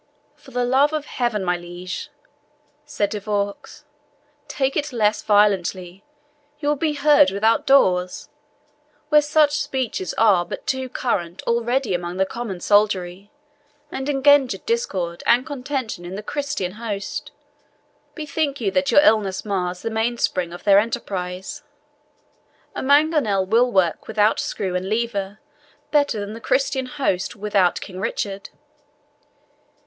"For the love of Heaven, my liege," said De Vaux, "take it less violently you will be heard without doors, where such speeches are but too current already among the common soldiery, and engender discord and contention in the Christian host. Bethink you that your illness mars the mainspring of their enterprise; a mangonel will work without screw and lever better than the Christian host without King Richard."